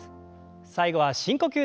最後は深呼吸です。